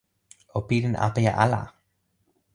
o pilin apeja ala!